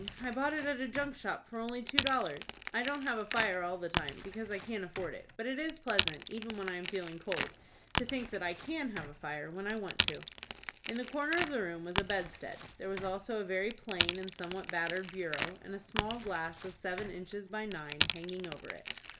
I bought it at a junk shop for only two dollars. I don't have a fire all the time, because I can't afford it. But it is pleasant, even when I am feeling cold, to think that I can have a fire when I want to." In the corner of the room was a bedstead. There was also a very plain, and somewhat battered, bureau, and a small glass of seven inches by nine hanging over it.